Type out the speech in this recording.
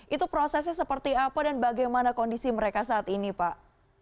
itu prosesnya seperti apa dan bagaimana kondisi mereka saat ini pak